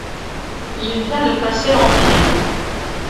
Il vient de passer en pied.